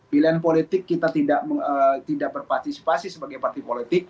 pilihan politik kita tidak berpartisipasi sebagai partai politik